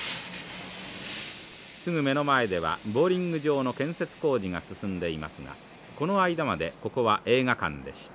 すぐ目の前ではボウリング場の建設工事が進んでいますがこの間までここは映画館でした。